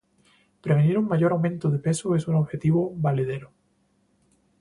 prevenir un mayor aumento de peso es un objetivo valedero